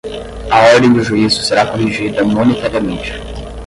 à ordem do juízo será corrigida monetariamente